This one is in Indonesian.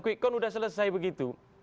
quick count sudah selesai begitu